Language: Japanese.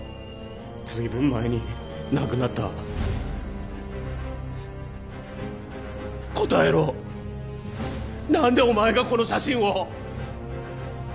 ずいぶん前に亡くなった答えろ何でお前がこの写真を？